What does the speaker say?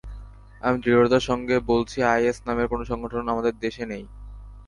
আমি দৃঢ়তার সঙ্গে বলছি, আইএস নামের কোনো সংগঠন আমাদের দেশে নেই।